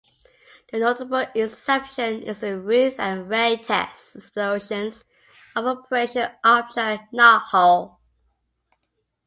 The notable exception is the "Ruth" and "Ray" test explosions of Operation Upshot-Knothole.